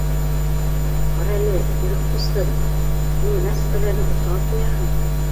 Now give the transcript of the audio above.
— Ҡарәле, Ирек ҡустым, һин мәсьәләне уҫал ҡуяһың